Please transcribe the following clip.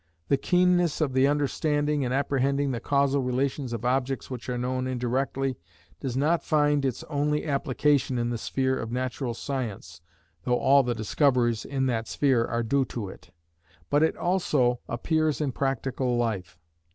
The keenness of the understanding in apprehending the causal relations of objects which are known indirectly, does not find its only application in the sphere of natural science (though all the discoveries in that sphere are due to it), but it also appears in practical life.